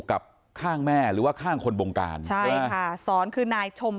กับข้างแม่หรือว่าข้างคนบงการใช่ค่ะสอนคือนายชม